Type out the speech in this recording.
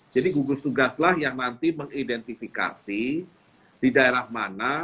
jadi gugus tugaslah yang nanti mengidentifikasi di daerah mana